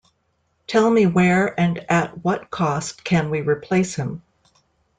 Tell me where and at what cost can we replace him?